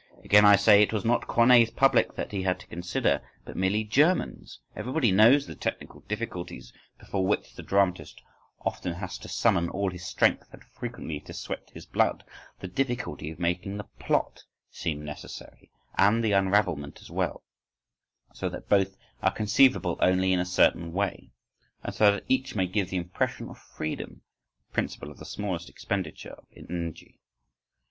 Again I say, it was not Corneille's public that he had to consider; but merely Germans! Everybody knows the technical difficulties before which the dramatist often has to summon all his strength and frequently to sweat his blood: the difficulty of making the plot seem necessary and the unravelment as well, so that both are conceivable only in a certain way, and so that each may give the impression of freedom (the principle of the smallest expenditure of energy).